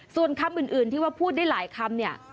ส่วนคำอื่นที่ว่าพูดได้หลายคำเนี่ย